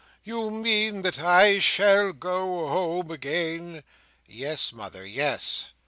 You mean that I shall go home again?" "Yes, mother, yes."